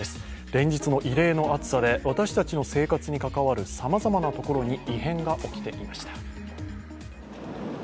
連日の異例の暑さで、私たちの生活に関わるさまざまなところに異変が起きていました。